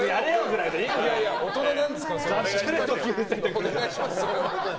いやいや、大人なんですから。